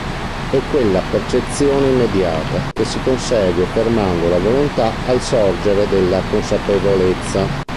È quella percezione immediata che si consegue fermando la volontà al sorgere della consapevolezza.